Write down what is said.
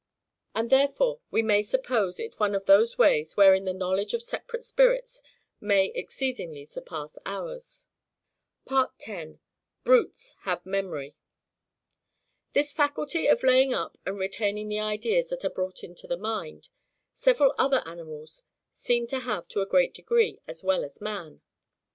And therefore we may suppose it one of those ways, wherein the knowledge of separate spirits may exceedingly surpass ours. 10. Brutes have Memory. This faculty of laying up and retaining the ideas that are brought into the mind, several other animals seem to have to a great degree, as well as man.